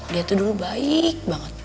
dia tuh dulu baik banget